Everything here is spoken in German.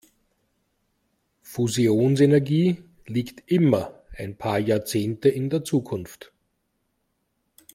Fusionsenergie liegt immer ein paar Jahrzehnte in der Zukunft.